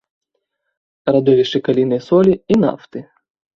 Радовішчы калійнай солі і нафты.